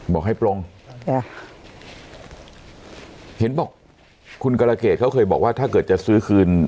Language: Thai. บอกให้ปลงจ้ะเห็นบอกคุณกรเกษเขาเคยบอกว่าถ้าเกิดจะซื้อคืน